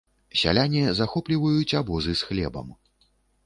Сяляне захопліваюць абозы з хлебам.